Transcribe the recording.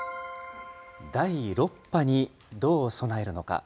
第６波にどう備えるのか。